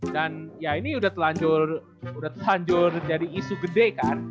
dan ini udah telanjur jadi isu gede kan